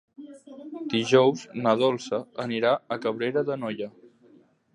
Dijous na Dolça anirà a Cabrera d'Anoia.